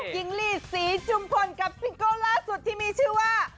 กิ้งลีสีจุ่มฝนกับซิงโก้ล่าสุดที่มีชื่อว่า